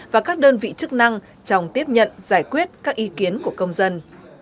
và các đơn vị chức năng trong tiếp nhận giải quyết các ý kiến của công dân